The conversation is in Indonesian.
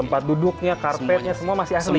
tempat duduknya karpetnya semua masih asli